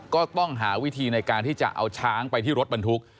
ก็ต้องหาวิธีในการที่จะเอาช้างไปที่รถบรรทุก